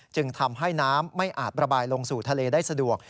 จึงทำให้น้ำไม่อาจระบายลงสู่ทะเลได้สะดวก